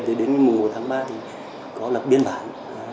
thì đến mùa một tháng ba thì có lập biên bản